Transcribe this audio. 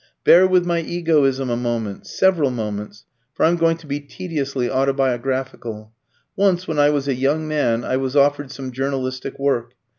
"Bear with my egoism a moment several moments, for I'm going to be tediously autobiographical. Once, when I was a young man, I was offered some journalistic work.